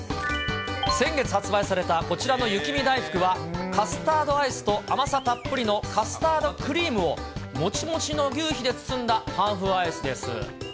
先月発売されたこちらの雪見だいふくはカスタードアイスと、甘さたっぷりのカスタードクリームをもちもちの求肥で包んだパン風アイスです。